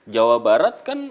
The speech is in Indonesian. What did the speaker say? jawa barat kan